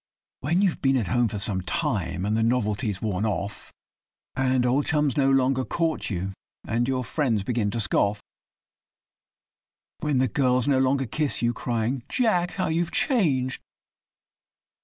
When you've been at home for some time, and the novelty's worn off, And old chums no longer court you, and your friends begin to scoff; When 'the girls' no longer kiss you, crying 'Jack! how you have changed!